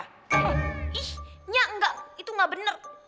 ih iya enggak itu ga bener